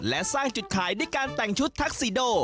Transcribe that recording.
และสร้างจุดขายด้วยการแต่งชุดทักซิโด